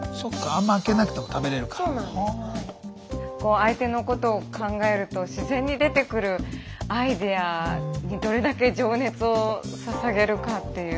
相手のことを考えると自然に出てくるアイデアにどれだけ情熱をささげるかっていう。